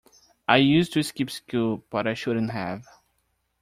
I used to skip school, but I shouldn't have.